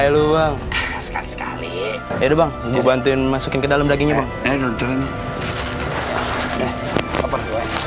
lu bang sekali sekali itu bang gue bantuin masukin ke dalam dagingnya enggak ada jalan